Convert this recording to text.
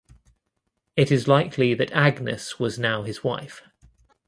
It is likely that Agnes was now his wife.